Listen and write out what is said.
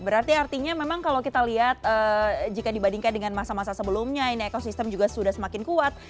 berarti artinya memang kalau kita lihat jika dibandingkan dengan masa masa sebelumnya ini ekosistem juga sudah semakin kuat